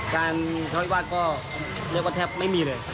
การจัดวิวาสก็แทบไม่มีเลย